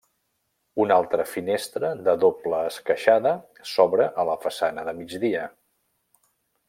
Una altra finestra de doble esqueixada s'obre a la façana de migdia.